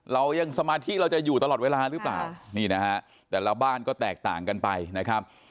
เรายังสมาธิเราจะอยู่ตลอดเวลาหรือเปล่านี่นะฮะแต่ละบ้านก็แตกต่างกันไปนะครับ